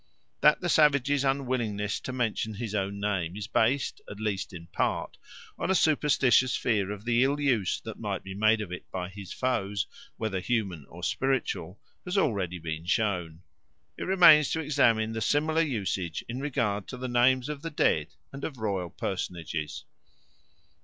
That the savage's unwillingness to mention his own name is based, at least in part, on a superstitious fear of the ill use that might be made of it by his foes, whether human or spiritual, has already been shown. It remains to examine the similar usage in regard to the names of the dead and of royal personages.